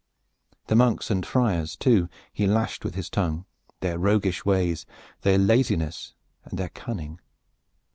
The monks and friars, too, he lashed with his tongue: their roguish ways, their laziness and their cunning.